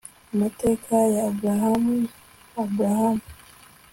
Amateka ya AburamuAburahamu